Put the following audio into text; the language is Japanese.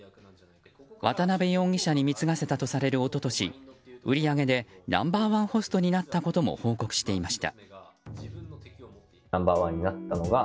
渡辺容疑者に貢がせたとされる一昨年売り上げでナンバー１ホストになったことも報告していました。